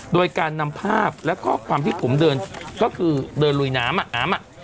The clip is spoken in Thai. โดยการนำภาพและก็ความที่ผมเดินก็คือเดินลุยน้ำอามา